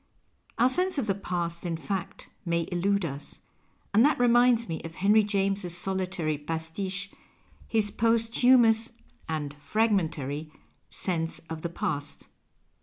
Our sense of the past, in fact, may illude us. And that reminds me of Henry James's solitary pasfiche, his posthumous (and fragmentary) " Sense of the Past."